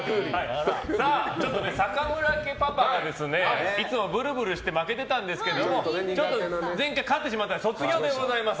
坂村家パパがいつもブルブルして負けてたんですけどちょっと前回勝ってしまったので卒業でございます。